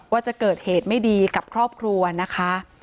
ว่าจะเกิดเหตุไม่ดีกับครอบครัวนะคะ